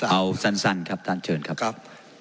เอาสั้นครับท่านเชิญครับ